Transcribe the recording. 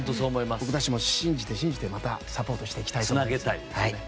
僕たちも信じてまたサポートしていきたいと思います。